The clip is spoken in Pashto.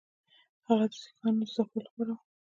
هغه د سیکهانو د ځپلو لپاره وو.